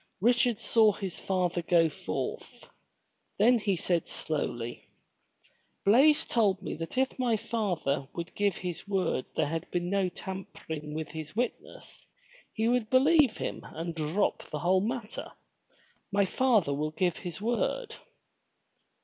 Richard saw his father go forth. Then he said slowly: Blaize told me that if my father would give his word there had been no tampering with his witnesses, he would believe him and drop the whole matter. My father will give his word."